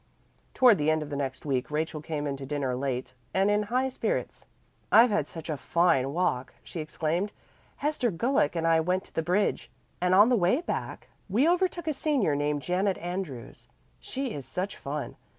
Toward the end of the next week Rachel came in to dinner late and in high spirits. "I've had such a fine walk!" she exclaimed. "Hester Gulick and I went to the bridge, and on the way back we overtook a senior named Janet Andrews. She is such fun.